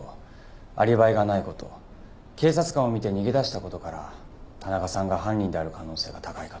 アリバイがない事警察官を見て逃げだした事から田中さんが犯人である可能性が高いかと。